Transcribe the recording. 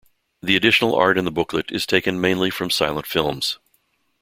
The additional art in the booklet is taken mainly from silent films.